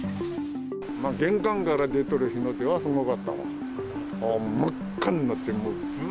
玄関から出とる火の手はすごかったわ。